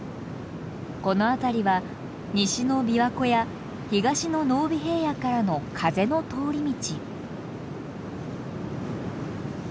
この辺りは西の琵琶湖や東の濃尾平野からの風の通り道。